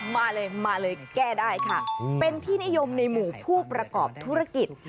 มาเลยมาเลยแก้ได้ค่ะเป็นที่นิยมในหมู่ผู้ประกอบธุรกิจ